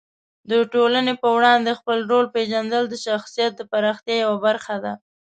د ټولنې په وړاندې خپل رول پېژندل د شخصیت د پراختیا یوه برخه ده.